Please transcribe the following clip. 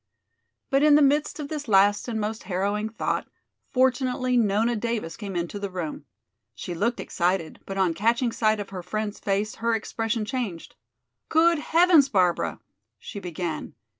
But in the midst of this last and most harrowing thought, fortunately Nona Davis came into the room. She looked excited, but on catching sight of her friend's face her expression changed. "Good heavens, Barbara!" she began.